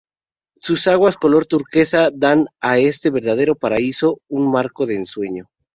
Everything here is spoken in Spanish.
Sus aguas color turquesa dan a este verdadero paraíso un marco de ensueño.